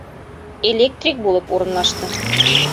Электрик булып урынлашты.